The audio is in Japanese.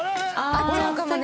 会っちゃうかもね。